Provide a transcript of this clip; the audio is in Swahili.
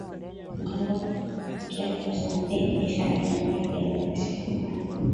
Uganda kuchangamkia fursa mpya za kibiashara Jamhuri ya Kidemokrasia ya Congo